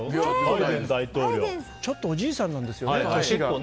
ちょっとおじいさんですよね？